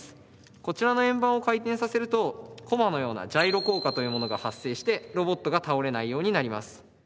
こちらの円盤を回転させるとコマのようなジャイロ効果というものが発生してロボットが倒れないようになります。